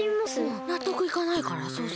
なっとくいかないからそうする。